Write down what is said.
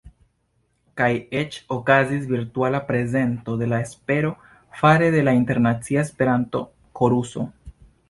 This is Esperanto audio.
Kaj eĉ okazis virtuala prezento de La Espero fare de la Internacia Esperanto-Koruso.